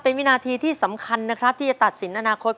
เป็นวินาทีที่สำคัญนะครับที่จะตัดสินอนาคต